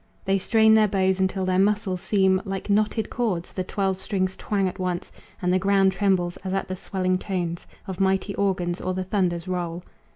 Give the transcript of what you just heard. They strain their bows until their muscles seem Like knotted cords, the twelve strings twang at once, And the ground trembles as at the swelling tones Of mighty organs or the thunder's roll.